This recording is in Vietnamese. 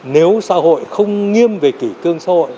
nếu xã hội không nghiêm về kỷ cương xã hội